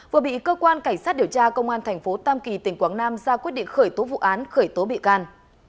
vừa bị cơ quan cảnh sát điều tra công an thành phố tam kỳ tỉnh quảng nam ra quyết định khởi tố vụ án khởi tố bị can